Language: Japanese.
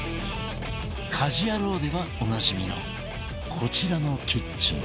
『家事ヤロウ！！！』ではおなじみのこちらのキッチン